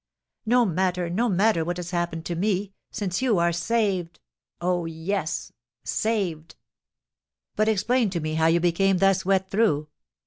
"No matter, no matter what has happened to me, since you are saved. Oh, yes, saved!" "But explain to me how you became thus wet through."